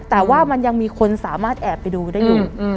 แต่ว่ามันยังมีคนสามารถแอบไปดูได้อยู่